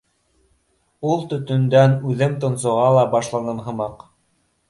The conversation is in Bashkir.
Ул төтөндән үҙем тонсоға ла башланым һымаҡ.